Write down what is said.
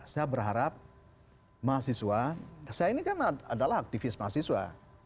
saya berharap mahasiswa saya ini kan adalah aktivis mahasiswa